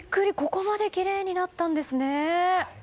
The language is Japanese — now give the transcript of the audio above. ここまできれいになったんですね。